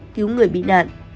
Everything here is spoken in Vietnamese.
cứu người bị nạn